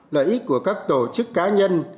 lợi ích của các tổ chức cá nhân